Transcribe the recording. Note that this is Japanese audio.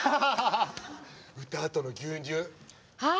歌あとの牛乳。は！